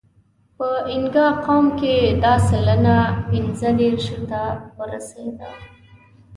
په اینګا قوم کې دا سلنه پینځهدېرشو ته رسېده.